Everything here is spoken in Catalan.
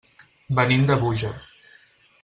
Venim de Búger.